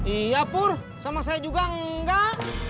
iya pur sama saya juga enggak